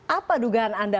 apa dugaan anda